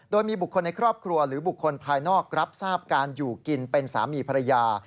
โดยมีบุคคลในครอบครัวหรือบุคคลภายนอกรับทราบการอยู่กินเป็นสามีภรรยา